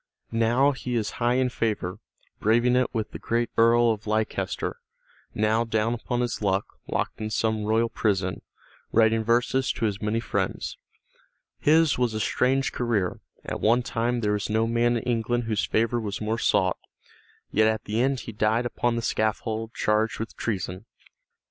Now he is high in favor, braving it with the great Earl of Leicester, now down upon his luck, locked in some royal prison, writing verses to his many friends. His was a strange career; at one time there was no man in England whose favor was more sought, yet at the end he died upon the scaffold charged with treason.